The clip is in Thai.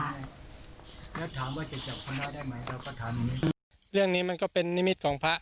แล้วถามว่าจะจับพระได้ไหมเราก็ทำอย่างนี้เรื่องนี้มันก็เป็นนิมิตของพระ